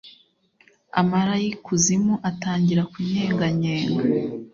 amara y'ikuzimu atangira kunyeganyega